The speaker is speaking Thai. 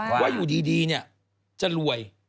ว่าอยู่ดีเนี่ยจะรวย